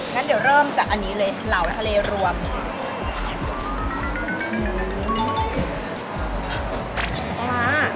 งั้นเดี๋ยวเริ่มจากอันนี้เลยเหลาทะเลรวม